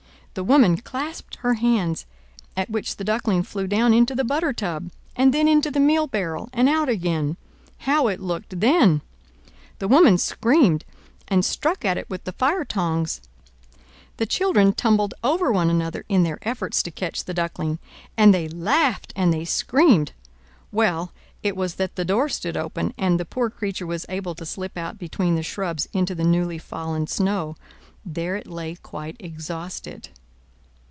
The woman clasped her hands, at which the Duckling flew down into the butter tub, and then into the meal barrel and out again. How it looked then! The woman screamed, and struck at it with the fire tongs; the children tumbled over one another in their efforts to catch the Duckling; and they laughed and they screamed!—well it was that the door stood open, and the poor creature was able to slip out between the shrubs into the newly fallen snow—there it lay quite exhausted.